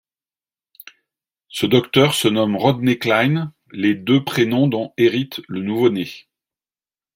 Ce docteur se nomme Rodney Cline, les deux prénoms dont hérite le nouveau-né.